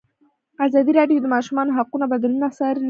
ازادي راډیو د د ماشومانو حقونه بدلونونه څارلي.